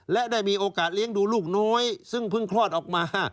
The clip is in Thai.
และได้มีโอกาสเลี้ยงดูลูกน้อยซึ่งเพิ่งคลอดออกมา